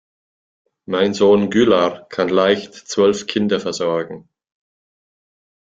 Mein Sohn Güllar kann leicht zwölf Kinder versorgen.